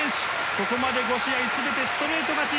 ここまで５試合全てストレート勝ち。